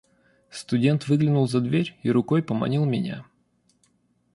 Студент выглянул за дверь и рукой поманил меня.